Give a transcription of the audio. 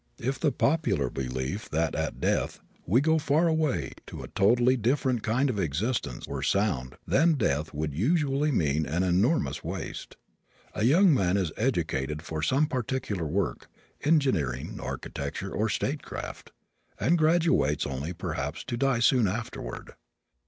If the popular belief that at death we go far away to a totally different kind of existence were sound then death would usually mean an enormous waste. A young man is educated for some particular work, engineering, architecture or statecraft, and graduates only perhaps to die soon afterward.